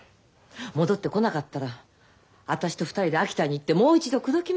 戻ってこなかったら私と２人で秋田に行ってもう一度口説きましょう。